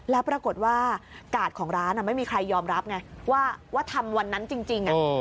แล้วปรากฏว่ากาดของร้านไม่มีใครยอมรับไงว่าทำวันนั้นจริง